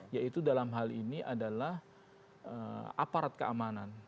yaitu dalam hal ini adalah aparat keamanan